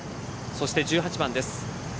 そして１８番です。